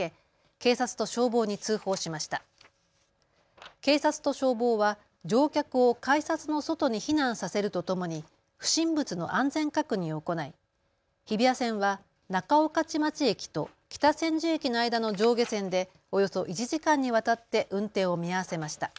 警察と消防は乗客を改札の外に避難させるとともに不審物の安全確認を行い日比谷線は仲御徒町駅と北千住駅の間の上下線でおよそ１時間にわたって運転を見合わせました。